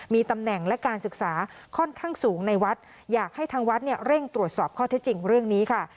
มีตำแหน่งและการศึกษาค่อนข้างสูงในวัดอยากให้ทางวัดเนี่ยเร่งตรวจสอบข้อเท็จจริงเรื่องนี้ค่ะ